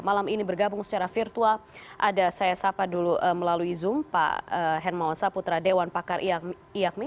malam ini bergabung secara virtual ada saya sapa dulu melalui zoom pak hermawan saputra dewan pakar iakmi